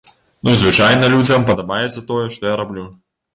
Ну і звычайна людзям падабаецца тое, што я раблю.